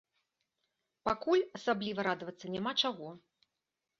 Пакуль асабліва радавацца няма чаго.